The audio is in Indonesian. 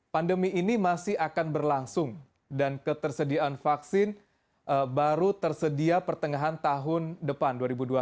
pandemi ini masih akan berlangsung dan ketersediaan vaksin baru tersedia pertengahan tahun depan dua ribu dua puluh satu